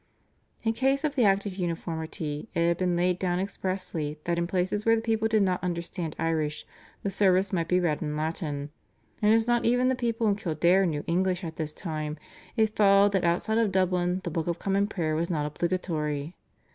In case of the Act of Uniformity it had been laid down expressly that in places where the people did not understand Irish the service might be read in Latin, and as not even the people in Kildare knew English at this time, it followed that outside of Dublin the Book of Common Prayer was not obligatory.